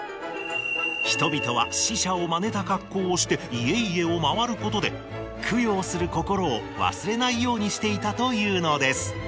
人々は死者をまねた格好をして家々をまわることで供養する心を忘れないようにしていたというのです。